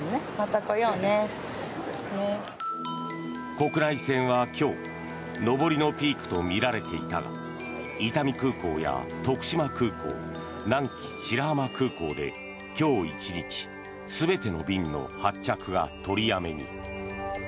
国内線は今日上りのピークとみられていたが伊丹空港や徳島空港南紀白浜空港で今日１日、全ての便の発着が取りやめに。